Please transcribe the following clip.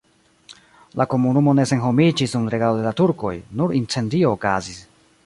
La komunumo ne senhomiĝis dum regado de la turkoj, nur incendio okazis.